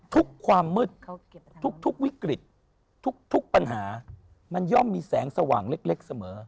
ความมืดทุกวิกฤตทุกปัญหามันย่อมมีแสงสว่างเล็กเสมอ